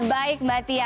baik mbak tia